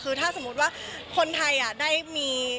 คือถ้าสมมุติว่าคนไทยได้มี